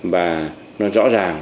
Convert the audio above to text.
và nó rõ ràng